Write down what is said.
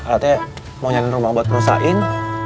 artinya mau nyari rumah buat perusahaan